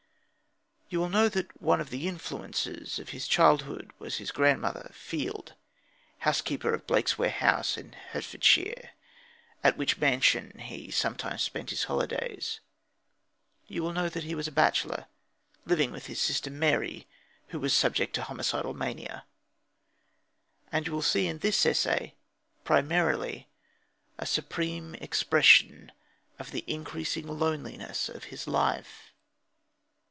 You will know that one of the influences of his childhood was his grandmother Field, housekeeper of Blakesware House, in Hertfordshire, at which mansion he sometimes spent his holidays. You will know that he was a bachelor, living with his sister Mary, who was subject to homicidal mania. And you will see in this essay, primarily, a supreme expression of the increasing loneliness of his life.